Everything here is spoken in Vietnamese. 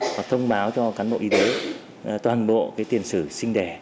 hoặc thông báo cho cán bộ y đế toàn bộ tiền sử sinh đẻ